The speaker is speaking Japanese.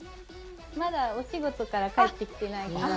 まだお仕事から帰ってきてないです。